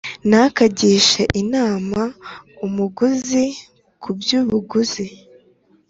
ntukagishe inama umuguzi ku by’ubuguzi,